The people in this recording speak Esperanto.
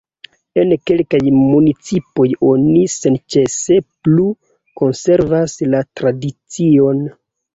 En kelkaj municipoj oni senĉese plu konservas la tradicion.